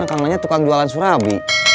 kan kangennya tukang jualan surabi